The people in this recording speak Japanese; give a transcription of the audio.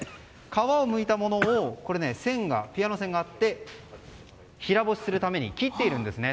皮をむいたものをここにピアノ線があって平干しするために切っているんですね。